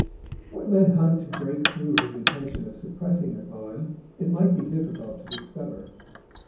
What led Hunt to break through his intention of suppressing the poem it might be difficult to discover.